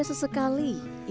masa masa hidup mandiri